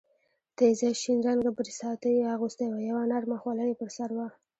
تېزه شین رنګه برساتۍ یې اغوستې وه، یوه نرمه خولۍ یې پر سر وه.